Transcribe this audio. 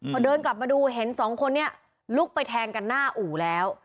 พอเดินกลับมาดูเห็นสองคนนี้ลุกไปแทงกันหน้าอู่แล้ว